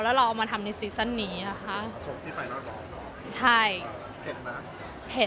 แล้วเราเอามาทำในซีซั่นนี้นะคะชมที่ไฟนอลดใช่เผ็ดมากเผ็ด